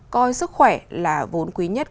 coi sức khỏe là vốn quý nhất